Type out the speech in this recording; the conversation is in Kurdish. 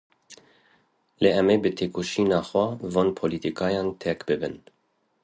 Lê em ê bi têkoşîna xwe van polîtîkayan têk bibin.